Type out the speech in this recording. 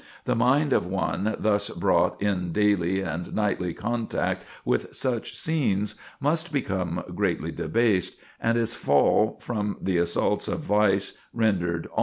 The mind of one thus brought in daily and nightly contact with such scenes must become greatly debased, and its fall, before the assaults of vice, rendered almost certain."